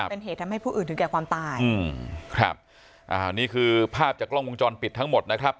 เป็นเหตุทำให้ผู้อื่นถึงแก่ความตายอืมครับอ่านี่คือภาพจากกล้องวงจรปิดทั้งหมดนะครับ